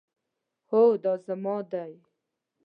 هو، دا زما دی